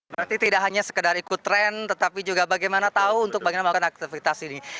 berarti tidak hanya sekedar ikut tren tetapi juga bagaimana tahu untuk bagaimana melakukan aktivitas ini